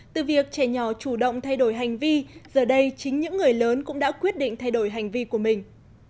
từ việc trẻ nhỏ chủ động thay đổi hành vi giờ đây chính những người lớn cũng đã quyết định thay đổi hành vi của mình